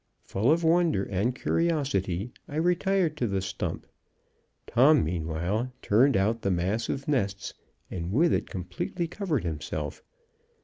Full of wonder and curiosity, I retired to the stump. Tom, meantime, turned out the mass of nests, and with it completely covered himself.